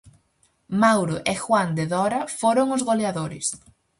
Mauro e Juan de Dora foron os goleadores.